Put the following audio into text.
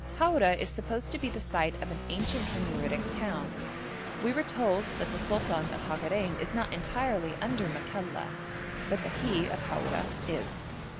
Haura is supposed to be the site of an ancient Himyaritic town. We were told that the sultan of Hagarein is not entirely under Makalla, but that he of Haura is.